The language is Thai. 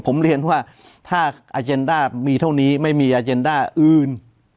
ผมเรียนว่าถ้าอาเจนด้ามีเท่านี้ไม่มีอาเจนด้าอื่น